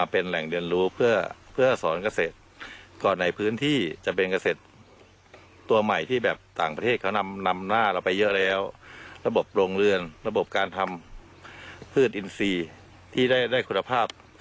เพื่อให้เกษตรกรเข้ามาหาความรู้ได้ฟรีครับ